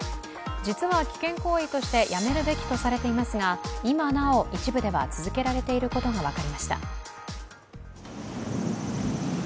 実は危険行為としてやめるべきとされていますが、今なお、一部では続けられていることが分かりました。